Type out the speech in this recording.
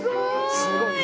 すごい。